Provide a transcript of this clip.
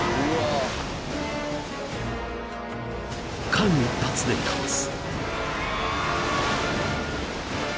［間一髪でかわす］